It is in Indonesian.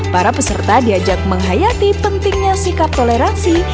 para peserta diajak menghayati pentingnya sikap toleransi